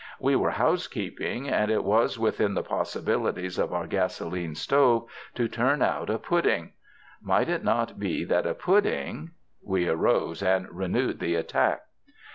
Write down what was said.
We were housekeeping and it was within the possibilities of our gasoline stove to turn out a pudding. Might it not be that a pudding— we arose and renewed the attack.